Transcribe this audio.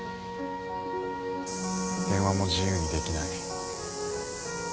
電話も自由にできない。